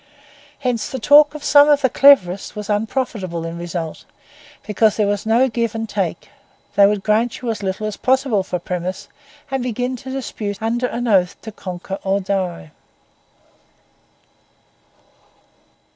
Hence the talk of some of the cleverest was unprofitable in result, because there was no give and take; they would grant you as little as possible for premise, and begin to dispute under an oath to conquer or to die.